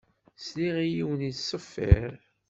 Sliɣ i yiwen yettṣeffiṛ.